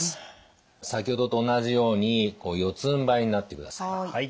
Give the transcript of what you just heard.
先ほどと同じように四つんばいになってください。